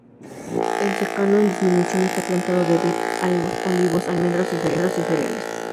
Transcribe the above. El secano, en disminución, está plantado de vid, algarrobos, olivos, almendros y cereales.